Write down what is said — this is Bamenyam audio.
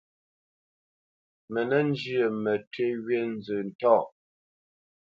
Mə nə́ njyə mətʉ́ wí nzə ntɔ̂ʼ.